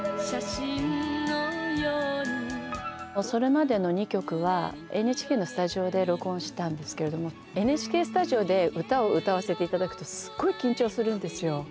それまでの２曲はＮＨＫのスタジオで録音したんですけれどもＮＨＫスタジオで歌を歌わせて頂くとすごい緊張するんですよ。